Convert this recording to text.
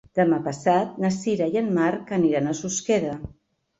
Demà passat na Sira i en Marc aniran a Susqueda.